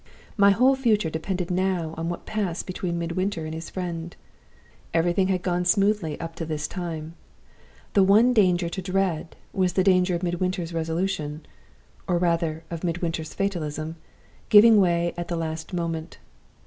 "My whole future depended now on what passed between Midwinter and his friend! Everything had gone smoothly up to this time. The one danger to dread was the danger of Midwinter's resolution, or rather of Midwinter's fatalism, giving way at the last moment.